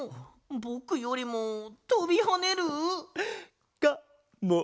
ぼくよりもとびはねる？かもな！